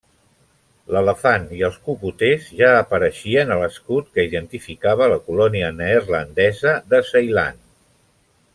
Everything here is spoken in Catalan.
L'elefant i els cocoters ja apareixien a l'escut que identificava la colònia neerlandesa de Ceilan.